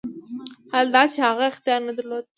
حال دا چې هغه اختیار نه درلود.